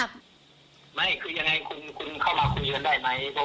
คือยังไงน้อง่ายคุณเข้ามาคุยกันได้ไหม